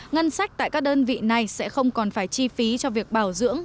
ngân sách tại các đơn vị này sẽ không còn phải chi phí cho việc bảo dưỡng